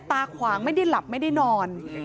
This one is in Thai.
ตาขวางไม่ได้หลับไม่ได้นอน